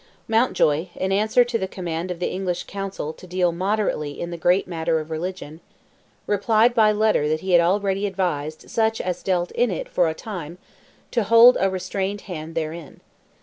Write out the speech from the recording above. Mountjoy, in answer to the command of the English Council "to deal moderately in the great matter of religion," replied by letter that he had already advised "such as dealt in it for a time to hold a restrained hand therein."